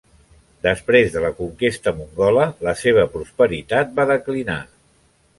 Després de la conquesta mongola la seva prosperitat va declinar.